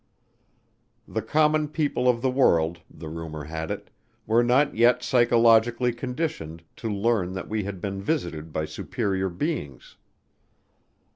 The common people of the world, the rumor had it, were not yet psychologically conditioned to learn that we had been visited by superior beings.